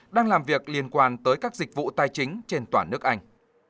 đang làm việc liên quan tới các dịch vụ tài chính trên toàn nước anh